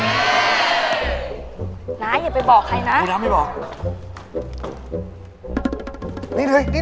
น้ายอย่าไปบอกใครนะดูน้ำให้บอก